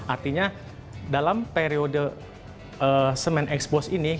artinya dalam periode semen expose ini